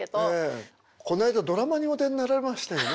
この間ドラマにお出になられましたよね。